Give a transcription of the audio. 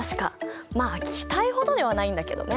まあ気体ほどではないんだけどね。